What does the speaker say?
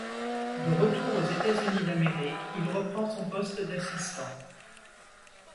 De retour aux États-Unis d'Amérique, il reprend son poste d’assistant.